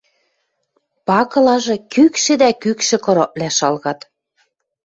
пакылажы кӱкшӹ дӓ кӱкшӹ кырыквлӓ шалгат.